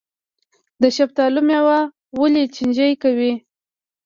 د شفتالو میوه ولې چینجي کوي؟